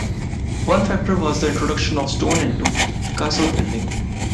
One factor was the introduction of stone into castle building.